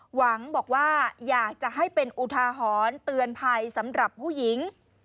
หวังบอกว่าอยากจะให้เป็นอุทาหรณ์เตือนภัยสำหรับผู้หญิง